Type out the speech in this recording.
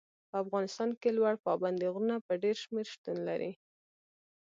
په افغانستان کې لوړ پابندي غرونه په ډېر شمېر شتون لري.